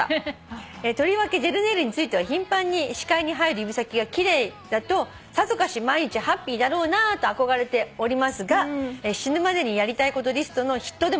「とりわけジェルネイルについては頻繁に視界に入る指先が奇麗だとさぞかし毎日ハッピーだろうなと憧れておりますが死ぬまでにやりたいことリストの筆頭でもあります」